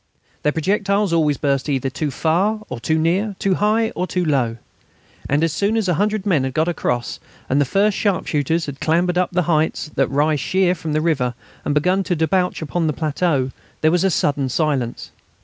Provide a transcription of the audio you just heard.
Their projectiles always burst either too far or too near, too high or too low. And as soon as a hundred men had got across, and the first sharpshooters had clambered up the heights that rise sheer from the river and begun to debouch upon the plateau, there was a sudden silence.